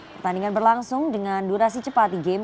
pertandingan berlangsung dengan durasi cepat di game